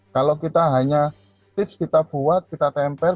kalau kita hanya tips kita buat kita tempel